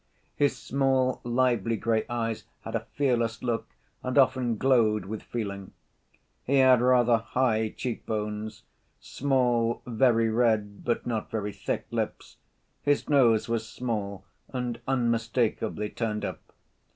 His small, lively gray eyes had a fearless look, and often glowed with feeling. He had rather high cheekbones; small, very red, but not very thick, lips; his nose was small and unmistakably turned up.